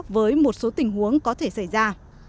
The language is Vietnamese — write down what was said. với một số tình huống có thể xảy ra